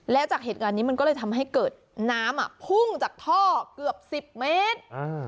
แล้วจากเหตุการณ์นี้มันก็เลยทำให้เกิดน้ำพุ่งจากท่อเกือบ๑๐เมตร